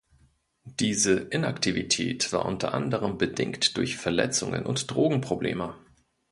Diese Inaktivität war unter anderem bedingt durch Verletzungen und Drogenprobleme.